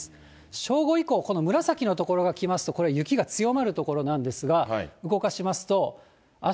正午以降、この紫の所がきますと、雪が強まる所なんですが、動かし北陸ですね。